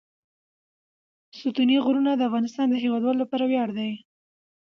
ستوني غرونه د افغانستان د هیوادوالو لپاره ویاړ دی.